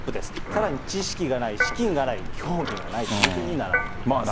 さらに知識がない、資金がない、興味がないというふうに並んでいます。